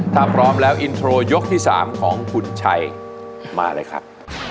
ถ้าพร้อมแล้วอินโทรยกที่๓ของคุณชัยมาเลยครับ